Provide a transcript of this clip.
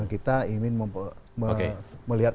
kita ingin melihat